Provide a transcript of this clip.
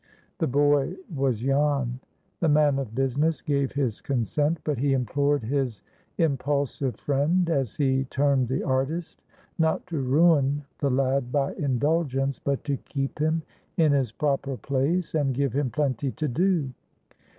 The boy was Jan. The man of business gave his consent, but he implored his "impulsive friend," as he termed the artist, not to ruin the lad by indulgence, but to keep him in his proper place, and give him plenty to do.